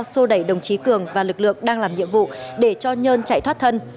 xô đẩy đồng chí cường và lực lượng đang làm nhiệm vụ để cho nhơn chạy thoát thân